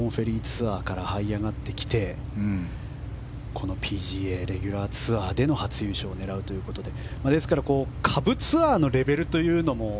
そこからはい上がってきてこのＰＧＡレギュラーツアーでの初優勝を狙うということでですから下部ツアーを狙うというのも。